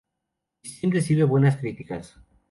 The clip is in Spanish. Christine recibe buenas críticas.